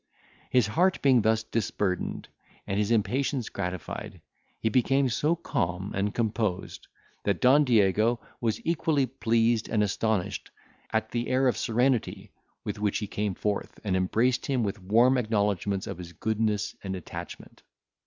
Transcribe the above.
His heart being thus disburdened, and his impatience gratified, he became so calm and composed, that Don Diego was equally pleased and astonished at the air of serenity with which he came forth, and embraced him with warm acknowledgments of his goodness and attachment.